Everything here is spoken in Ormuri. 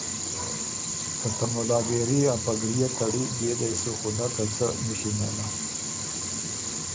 که ته مُلاګېري اپګړئے تړی بيې دې سو خُدَۀ که څۀ نِݭی نېله۔